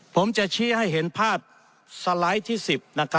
ผมจะชี้ให้เห็นภาพสไลด์ที่๑๐